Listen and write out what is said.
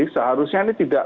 seharusnya ini tidak